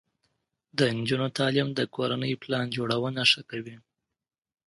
د نجونو تعلیم د کورنۍ پلان جوړونه ښه کوي.